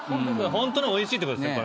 ホントにおいしいってことですね